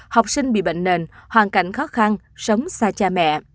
học sinh bị bệnh nền hoàn cảnh khó khăn sống xa cha mẹ